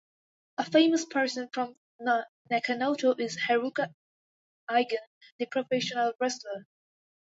A famous person from Nakanoto is Haruka Eigen, the professional wrestler.